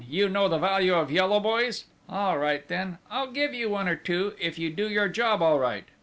You know the value of yellow boys? All right, then, I'll give you one or two, if you do your job all right!